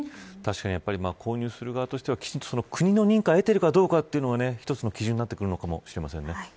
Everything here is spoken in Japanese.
確かに購入する側としては国の認可を得ているかどうかというのが一つの基準になってくるのかもしれませんね。